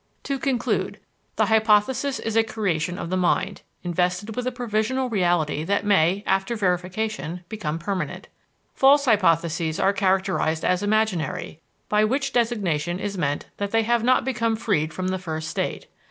To conclude: The hypothesis is a creation of the mind, invested with a provisional reality that may, after verification, become permanent. False hypotheses are characterized as imaginary, by which designation is meant that they have not become freed from the first state.